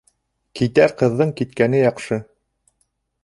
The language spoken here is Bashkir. Китәр ҡыҙҙың киткәне яҡшы